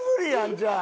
じゃあ。